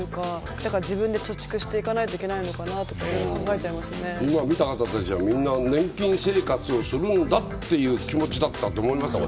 だから自分で貯蓄していかないといけないのかなとか今、みんな年金生活をするんだという気持ちだったと思いますよ。